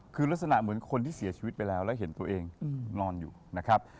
คือลักษณะเหมือนคนที่เสียชีวิตไปแล้วแล้วเห็นตัวเองนอนอยู่นะครับ